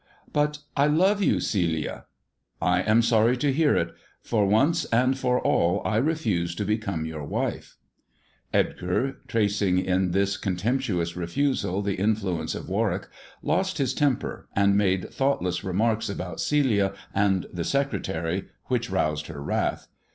''" But I love you, Celia." " I am sorry to hear it, for once and for all I refuse to become your wife." Edgar, tracing in this contemptuous refusal the influence of Warwick, lost his temper, and made thoughtless remarks about Celia and the secretary, which roused her wrath.